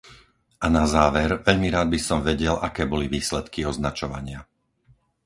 A na záver, veľmi rád by som vedel, aké boli výsledky označovania.